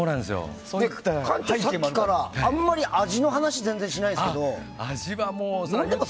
さっきから、あまり味の話全然しないですけど。